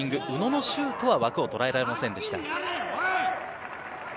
宇野のシュートは枠をとらえられませんでした。